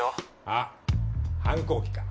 あっ反抗期か？